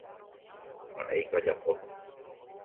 mba'éiko ajapóta